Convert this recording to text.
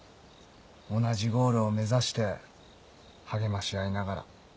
同じゴールを目指して励まし合いながら。